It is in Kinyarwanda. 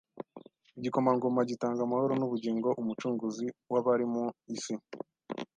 Igikomangoma gitanga amahoro n'ubugingo, Umucunguzi w'abari mu isi.